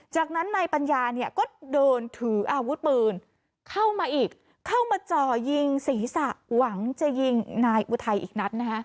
จากนั้นนายปัญญาเนี่ยก็เดินถืออาวุธปืนเข้ามาอีกเข้ามาจ่อยิงศีรษะหวังจะยิงนายอุทัยอีกนัดนะฮะ